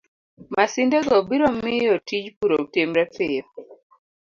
Masindego biro miyo tij pur otimre piyo,